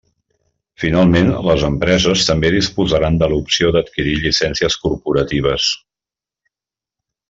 Finalment, les empreses també disposaran de l'opció d'adquirir llicències corporatives.